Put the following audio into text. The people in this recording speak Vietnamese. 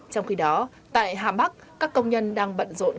trong khi đó tại hà bắc các công nhân đang bận rộn